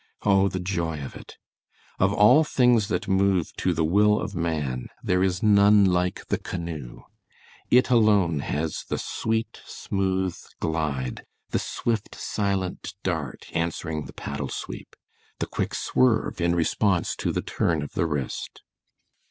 Oh, the joy of it! Of all things that move to the will of man there is none like the canoe. It alone has the sweet, smooth glide, the swift, silent dart answering the paddle sweep; the quick swerve in response to the turn of the wrist.